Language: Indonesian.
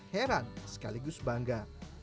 heran sekaligus bangga